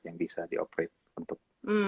yang bisa di operate untuk